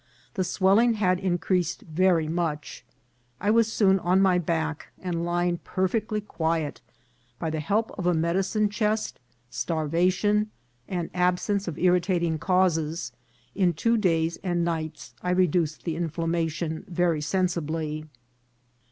The swelling had in creased very much. I was soon on my back, and, lying perfectly quiet, by the help of a medicine chest, starva tion, and absence of irritating causes, in two days and nights I reduced the inflammation very sensibly.